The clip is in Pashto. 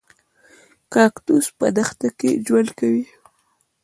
کاکتوس په دښته کې ژوند کوي